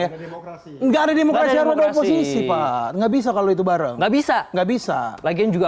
ya enggak ada yang menghasilkan posisi nggak bisa kalau itu bareng nggak bisa nggak bisa lagi juga